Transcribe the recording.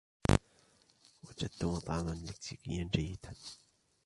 وجدت مطعما مكسيكيا جيدا.